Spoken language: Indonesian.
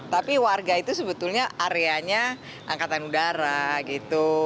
tapi warga itu sebetulnya areanya angkatan udara gitu